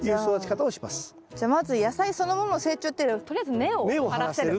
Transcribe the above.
じゃあまず野菜そのものの成長というよりはとりあえず根を張らせる。